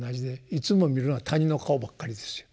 いつも見るのは他人の顔ばっかりですよ。